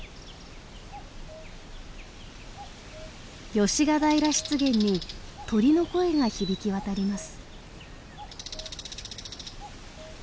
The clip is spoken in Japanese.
芳ヶ平湿原に鳥の声が響き渡ります。